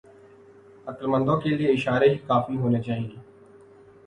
عقلمندوں کے لئے اشارے ہی کافی ہونے چاہئیں۔